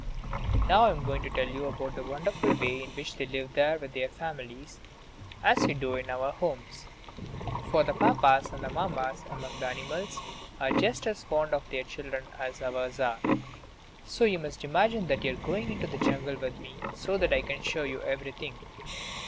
Now I am going to tell you about the wonderful way in which they live there with their families, as we do in our homes; for the Papas and Mammas among the animals are just as fond of their children as ours are. So you must imagine that you are going into the jungle with me, so that I can show you everything.